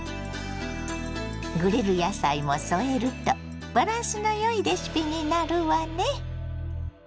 グリル野菜も添えるとバランスのよいレシピになるわね。